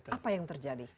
apa yang terjadi